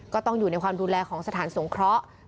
ก็ต้องอยู่ในความดูแลของสถานสงเคราะห์